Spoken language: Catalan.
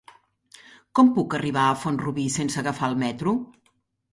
Com puc arribar a Font-rubí sense agafar el metro?